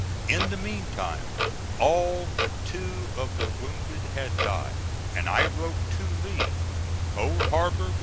In the meantime all but two of the wounded had died. And I wrote to Lee: COLD HARBOR, VA.